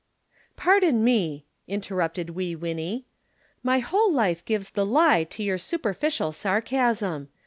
"Pardon me," interrupted Wee Winnie. "My whole life gives the lie to your superficial sarcasm.